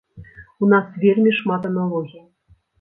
У нас вельмі шмат аналогій.